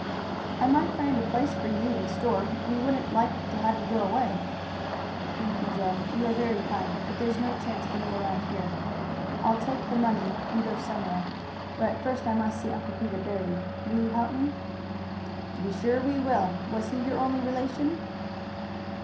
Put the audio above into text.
"I might find a place for you in the store. We wouldn't like to have you go away." "Thank you, Joe. You are very kind. But there's no chance for me around here. I'll take the money and go somewhere. But first I must see Uncle Peter buried. Will you help me?" "To be sure we will. Was he your only relation?"